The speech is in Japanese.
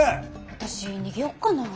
私逃げようかな。